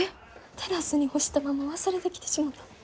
テラスに干したまま忘れてきてしもた。